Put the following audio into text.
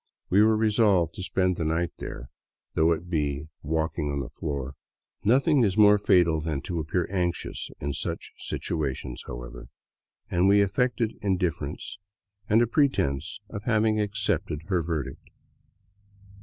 We were resolved to spend the night there, though it be in walking the floor. Nothing is more fatal than to appear anxious in such situations, however, and we affected indifference and a pre tense of having accepted her verdict.